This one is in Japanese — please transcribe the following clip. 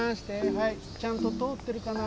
はいちゃんととおってるかな？